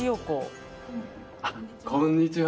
あっこんにちは。